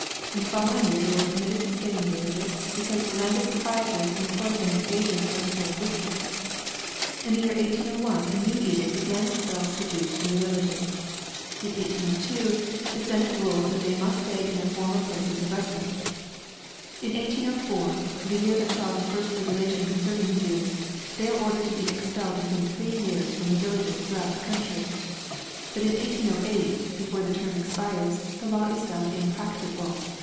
In the following year they were permitted to stay in the villages, because the landed proprietors employed them as agents for the sale of whiskey. In the year 1801 a new edict again expels the Jews from the villages. In 1802 the Senate rules that they must stay in their former places of residence. In 1804 the year that saw the first Regulation concerning the Jews they are ordered to be expelled within three years from the villages throughout the country. But in 1808 before the term expires the law is found impracticable.